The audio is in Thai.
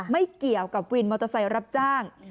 ไม่เกี่ยวกับวินมอเตอร์ไซค์รับจ้าง